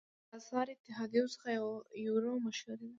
د اسعاري اتحادیو څخه یورو مشهوره ده.